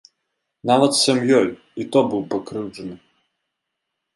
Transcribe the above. Нават сям'ёй і то быў пакрыўджаны.